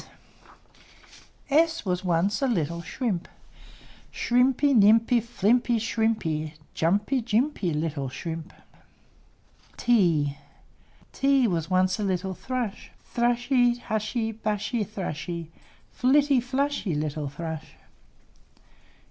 S s S was once a little shrimp, Shrimpy, Nimpy, Flimpy, Shrimpy. Jumpy, jimpy, Little shrimp! T t T was once a little thrush, Thrushy, Hushy, Bushy, Thrushy, Flitty, flushy, Little thrush!